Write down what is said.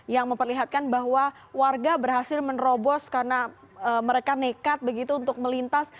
yang memperlihatkan bahwa warga berhasil menerobos karena mereka nekat begitu untuk melintas